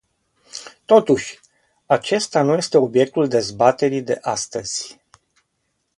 Totuși, acesta nu este obiectul dezbaterii de astăzi.